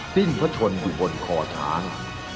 สิ้นพระชนอยู่บนคอช้าง